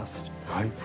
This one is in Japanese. はい。